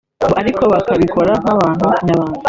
ngo ariko bakabikora nk’abantu nyabantu